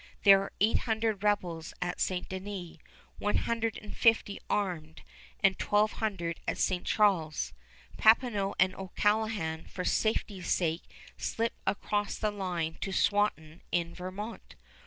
There are eight hundred rebels at St. Denis, one hundred and fifty armed, and twelve hundred at St. Charles. Papineau and O'Callaghan for safety's sake slip across the line to Swanton in Vermont.